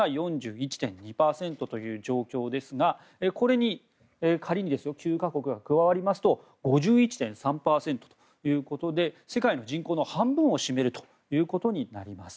ＢＲＩＣＳが４１．２％という状況ですがこれに仮に９か国が加わりますと５１．３％ということで世界の人口の半分を占めるということになります。